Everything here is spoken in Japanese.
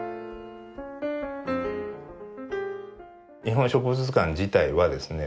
「日本植物図鑑」自体はですね